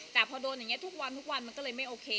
แต่พอโดนอย่างนี้ทุกวันทุกวันมันก็เลยไม่โอเค